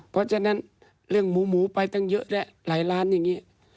เพราะฉะนั้นเรื่องหมูหมูไปตั้งเยอะแล้วหลายล้านอย่างนี้